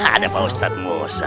ada pak ustadz musa